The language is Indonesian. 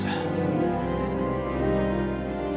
saya tidak tahu